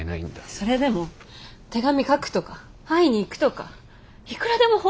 それでも手紙書くとか会いに行くとかいくらでも方法はあるでしょ。